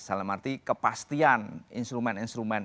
dalam arti kepastian instrumen instrumen